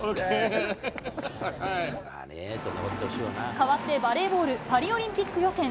変わってバレーボール、パリオリンピック予選。